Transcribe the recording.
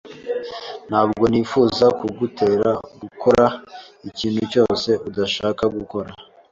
Ntabwo nifuza kugutera gukora ikintu cyose udashaka gukora.